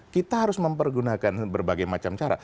kita harus mempergunakan berbagai macam cara